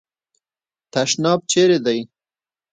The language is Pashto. تشناب چیري دی ؟